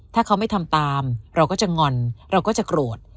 ถ้าเขาไม่ทำตามเราก็จะงอนเราก็จะโกรธ